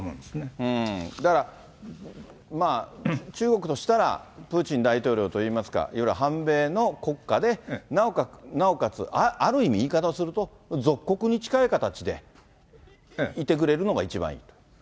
だから、中国としたら、プーチン大統領といいますか、いわゆる反米の国家で、なおかつある意味、言い方をすると、属国に近い形でいてくれるのが一番いいと。